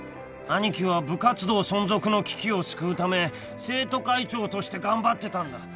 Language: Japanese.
［アニキは部活動存続の危機を救うため生徒会長として頑張ってたんだ］